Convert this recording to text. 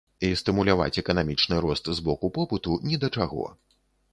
І стымуляваць эканамічны рост з боку попыту ні да чаго.